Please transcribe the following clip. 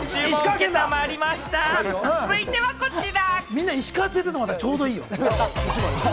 続いてはこちら。